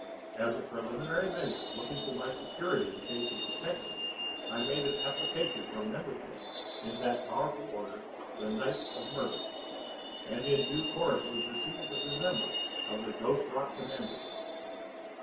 As a preliminary measure looking to my security in case of detection I made an application for membership in that powerful order, the Knights of Murder, and in due course was received as a member of the Ghost Rock commandery.